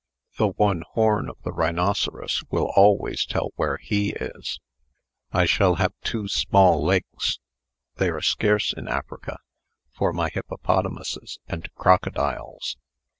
The one horn of the rhinoceros will always tell where he is. I shall have two small lakes (they are scarce in Africa) for my hippopotamuses and crocodiles.